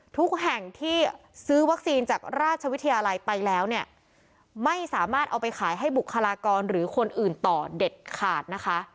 ทุกแห่งที่ซื้อวัคซีนจากราชวิทยาลัยไปแล้วเนี่ยไม่สามารถเอาไปขายให้บุคลากรหรือคนอื่นต่อเด็ดขาดนะคะ